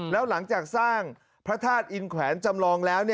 แล้วหลังจากสร้างพระธาตุอินแขวนจำลองแล้ว